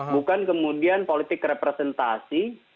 bukan kemudian politik representasi